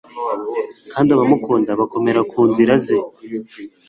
kandi abamukunda bakomera ku nzira ze